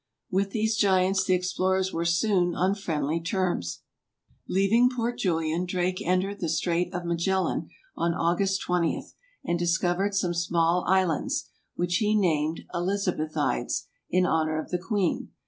With these giants the explorers were soon on friendly terms. Leaving Port Julian, Drake entered the Strait of Magal haen on August 20, and discovered some small islands, which he named Elizabethides, in honor of the queen.